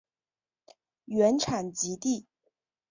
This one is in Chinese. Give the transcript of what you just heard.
原产极地。